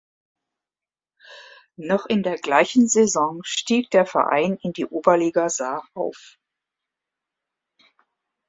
Noch in der gleichen Saison stieg der Verein in die Oberliga Saar auf.